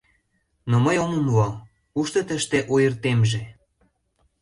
— Но мый ом умыло, кушто тыште ойыртемже?